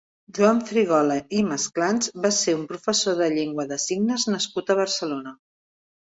Juan Frigola i Masclans va ser un professor de llengua de signes nascut a Barcelona.